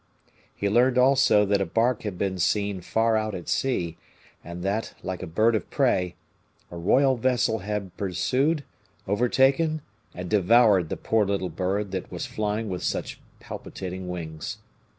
He learned also that a bark had been seen far out at sea, and that, like a bird of prey, a royal vessel had pursued, overtaken, and devoured the poor little bird that was flying with such palpitating wings.